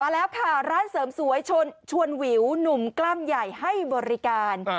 แล้วค่ะร้านเสริมสวยชวนวิวหนุ่มกล้ามใหญ่ให้บริการ